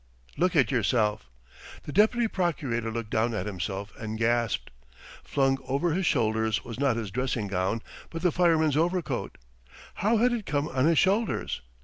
"Look at yourself!" The deputy procurator looked down at himself, and gasped. Flung over his shoulders was not his dressing gown, but the fireman's overcoat. How had it come on his shoulders?